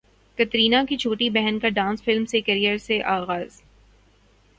کترینہ کی چھوٹی بہن کا ڈانس فلم سے کیریئر کا اغاز